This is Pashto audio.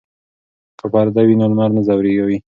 که پرده وي نو لمر نه ځوروي.